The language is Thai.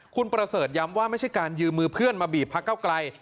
คุณประเสริฐย้ำว่าไม่ใช่การยืมมือเพื่อนมาบีบพระเก้าไกล